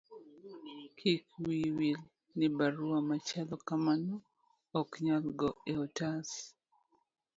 kik wiyi wil ni barua machalo kamano ok nyal go e otas